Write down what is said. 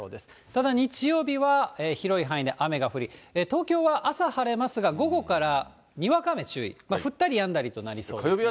ただ、日曜日は広い範囲で雨が降り、東京は朝晴れますが、午後からにわか雨注意、降ったりやんだりとなりそうですね。